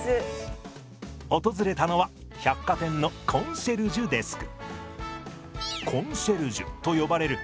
訪れたのは百貨店のコンシェルジュデスク。